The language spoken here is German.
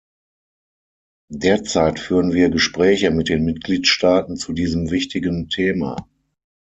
Derzeit führen wir Gespräche mit den Mitgliedstaaten zu diesem wichtigen Thema.